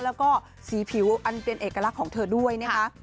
แล้วก็สีผิวอันเป็นเอกลักษณ์ของเธอด้วยนะคะ